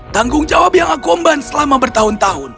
tanggung jawab yang aku omban selama bertahun tahun